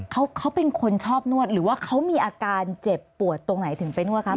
เขาเขาเป็นคนชอบนวดหรือว่าเขามีอาการเจ็บปวดตรงไหนถึงไปนวดคะ